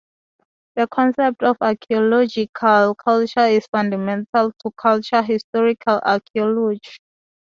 The concept of archaeological culture is fundamental to culture-historical archaeology.